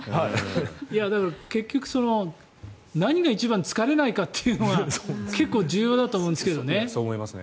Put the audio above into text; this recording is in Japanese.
結局、何が一番疲れないかというのが重要だと思いますけどね。